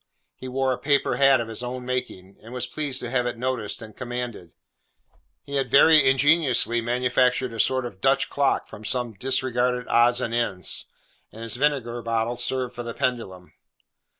He wore a paper hat of his own making, and was pleased to have it noticed and commanded. He had very ingeniously manufactured a sort of Dutch clock from some disregarded odds and ends; and his vinegar bottle served for the pendulum.